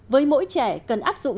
với mỗi trẻ cần áp dụng